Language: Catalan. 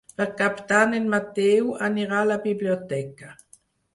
Per Cap d'Any en Mateu anirà a la biblioteca.